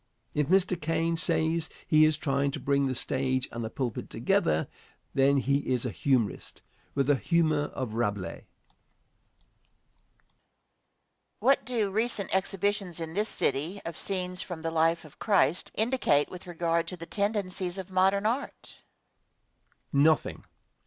If Mr. Caine says he is trying to bring the stage and the pulpit together, then he is a humorist, with the humor of Rabelais. Question. What do recent exhibitions in this city, of scenes from the life of Christ, indicate with regard to the tendencies of modern art? Answer. Nothing.